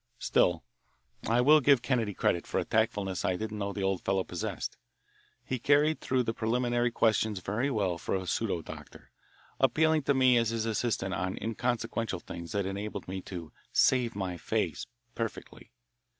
Still, I will give Kennedy credit for a tactfulness that I didn't know the old fellow possessed. He carried through the preliminary questions very well for a pseudo doctor, appealing to me as his assistant on inconsequential things that enabled me to "save my face" perfectly.